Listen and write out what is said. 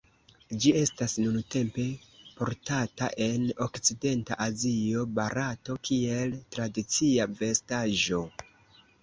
Ĝi estas nuntempe portata en okcidenta Azio, Barato, kiel tradicia vestaĵo.